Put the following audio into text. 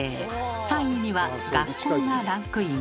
３位には「学校」がランクイン。